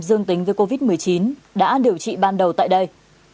dương tính với covid một mươi chín đã điều trị ban đầu tại đây